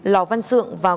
lò văn sượng và